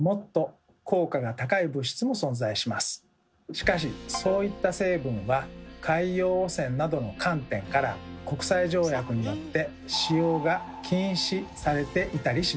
しかしそういった成分は海洋汚染などの観点から国際条約によって使用が禁止されていたりします。